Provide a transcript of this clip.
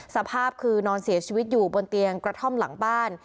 สภาพคือนอนเสียชีวิตอยู่บนเตียงกระท่อมหลังบ้าน